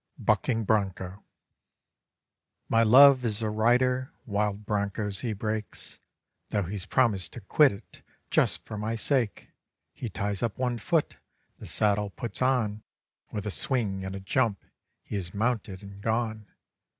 BUCKING BRONCHO My love is a rider, wild bronchos he breaks, Though he's promised to quit it, just for my sake. He ties up one foot, the saddle puts on, With a swing and a jump he is mounted and gone.